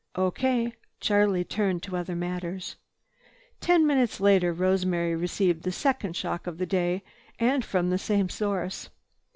"O.K." Charlie turned to other matters. Ten minutes later Rosemary received the second shock of the day and from the same source.